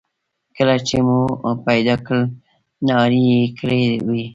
کله چې مو پیدا کړل نهاري یې کړې وه.